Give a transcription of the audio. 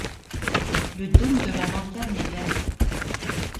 Le dôme de la lanterne est vert.